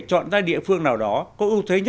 chúng ta có thể chọn ra địa phương nào đó có ưu thế nhất